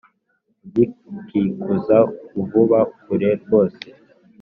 ugikikuza kuvuba kure rwose